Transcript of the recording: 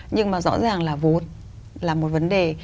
nhưng mà rõ ràng là vốn là một vấn đề